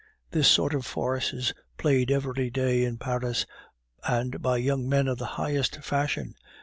This sort of farce is played every day in Paris, and by young men of the highest fashion.